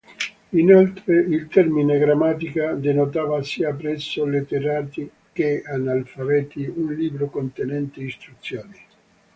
Inoltre il termine "grammatica" denotava, sia presso letterati che analfabeti, un libro contenente istruzioni.